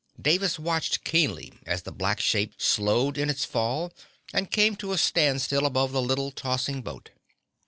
Davis watched keenly as the black shape slowed in its fall and came to a standstill above the little, tossing boat.